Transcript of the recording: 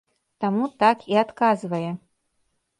Таму так і адказвае.